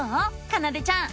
かなでちゃん。